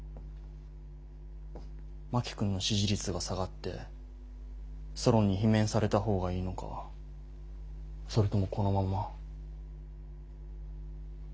真木君の支持率が下がってソロンに罷免された方がいいのかそれともこのまま。